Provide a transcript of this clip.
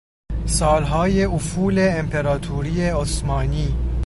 سالهای افول امپراتوری عثمانی